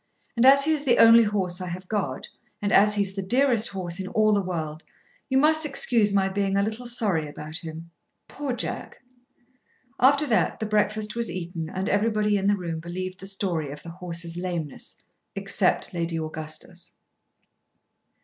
And as he is the only horse I have got, and as he's the dearest horse in all the world, you must excuse my being a little sorry about him. Poor Jack!" After that the breakfast was eaten and everybody in the room believed the story of the horse's lameness except Lady Augustus.